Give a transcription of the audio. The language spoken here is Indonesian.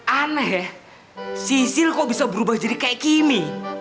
aneh ya sisil kok bisa berubah jadi kayak gini